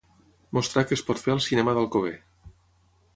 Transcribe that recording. Mostrar què es pot fer al cinema d'Alcover.